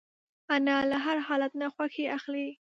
انا له هر حالت نه خوښي اخلي